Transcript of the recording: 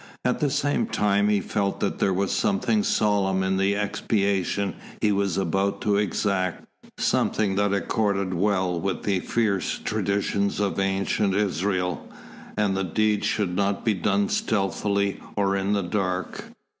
At the same time he felt that there was something solemn in the expiation he was about to exact, something that accorded well with the fierce traditions of ancient Israel, and the deed should not be done stealthily or in the dark.